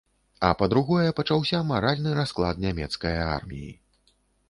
А па-другое, пачаўся маральны расклад нямецкае арміі.